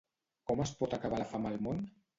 Com es pot acabar la fam al món?